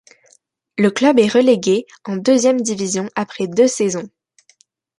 Le club est relégué en deuxième division après deux saisons.